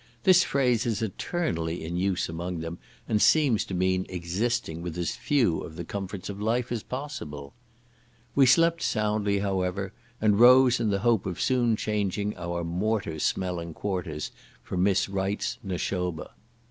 This phrase is eternally in use among them, and seems to mean existing with as few of the comforts of life as possible. We slept soundly however, and rose in the hope of soon changing our mortar smelling quarters for Miss Wright's Nashoba.